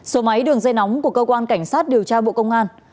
số máy đường dây nóng của cơ quan cảnh sát điều tra bộ công an